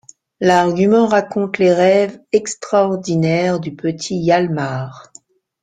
L'argument raconte les rêves extraordinaires du petit Hialmar.